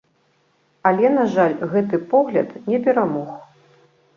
Але, на жаль, гэты погляд не перамог.